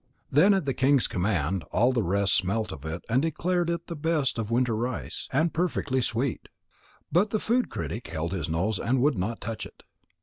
Then at the king's command all the rest smelt of it and declared it the best of winter rice, and perfectly sweet. But the food critic held his nose and would not touch it.